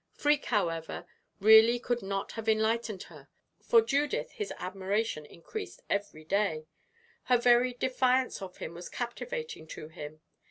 Freke, however, really could not have enlightened her. For Judith his admiration increased every day her very defiance of him was captivating to him.